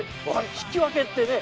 引き分けってね。